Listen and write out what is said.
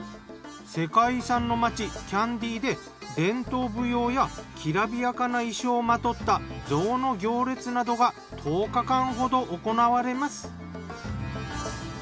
世界遺産の町キャンディで伝統舞踊やきらびやかな衣装をまとった象の行列などが１０日間ほど行われます。